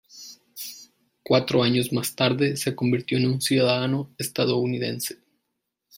Cuatro años más tarde se convirtió en un ciudadano estadounidense.